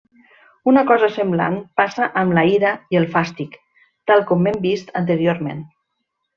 Una cosa semblant passa amb la ira i el fàstic, tal com hem vist anteriorment.